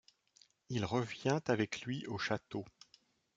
Il revient avec lui au château.